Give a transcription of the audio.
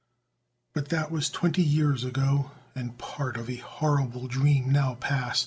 But that was twenty years ago, And part of a horrible dream now past.